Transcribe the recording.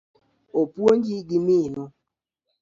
Opuonji gi minu?